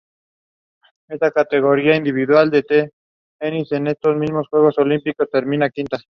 En categoría individual de tenis, en estos mismos Juegos Olímpicos, terminó quinta.